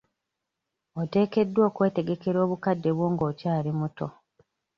Oteekeddwa okwetegekera obukadde bwo ng'okyali muto.